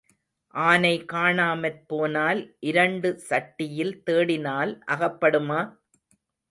ஆனை காணாமற் போனால் இரண்டு சட்டியில் தேடினால் அகப்படுமா?